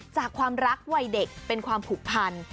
จากความรักวัยเด็กเป็นความผูกพัน